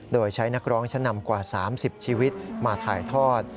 โดยใช้นักร้องชั้นนำกว่า๓๐ชีวิตมาถ่ายทอด